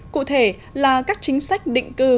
cụ thể là các chính sách định cư